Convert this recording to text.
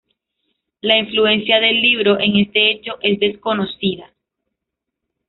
La influencia del libro en este hecho es desconocida.